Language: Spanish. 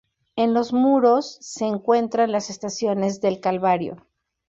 En los muros se encuentran las estaciones del calvario.